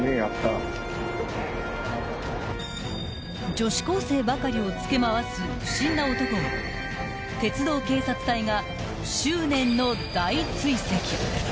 ［女子高生ばかりをつけ回す不審な男を鉄道警察隊が執念の大追跡］